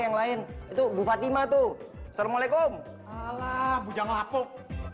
yang lain itu bu fatima tuh assalamualaikum alam bujang lapuk